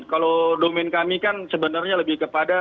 kalau domen kami kan sebenarnya lebih kepada